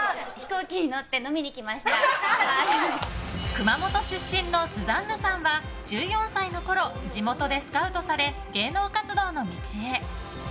熊本出身のスザンヌさんは１４歳のころ地元でスカウトされ芸能活動の道へ。